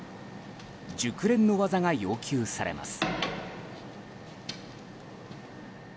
熟練の技が要求されます。